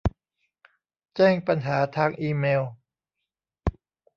แจ้งปัญหาทางอีเมล